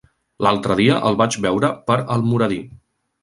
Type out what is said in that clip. L'altre dia el vaig veure per Almoradí.